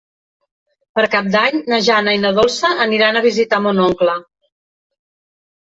Per Cap d'Any na Jana i na Dolça aniran a visitar mon oncle.